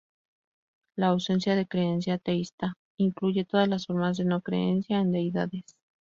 La "ausencia de creencia teísta" incluye todas las formas de "no creencia" en deidades.